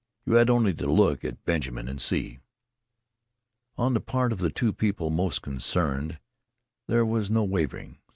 You had only to look at Benjamin and see. On the part of the two people most concerned there was no wavering.